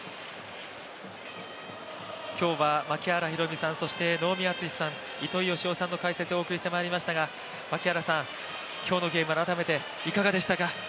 今日は槙原寛己さん、能見篤史さん糸井嘉男さんの解説でお送りしましたが槙原さん、今日のゲーム改めていかがでしたか？